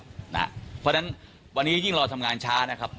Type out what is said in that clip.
เพราะฉะนั้นวันนี้ยิ่งเราทำงานช้านะครับ